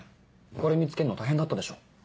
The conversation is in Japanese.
これ見つけるの大変だったでしょ。